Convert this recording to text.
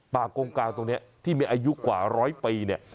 กงกลางตรงนี้ที่มีอายุกว่าร้อยปีเนี่ย